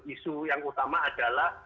isu yang utama adalah